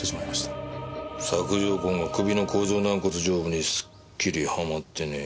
索条痕が首の甲状軟骨上部にすっきりはまってねえ。